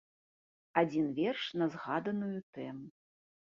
Адзін верш на згаданую тэму.